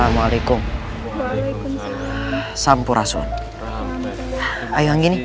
kalau begitu kami mohon panggil